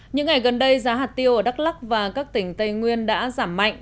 những ngày gần đây giá hạt tiêu ở đắk lắc và các tỉnh tây nguyên đã giảm mạnh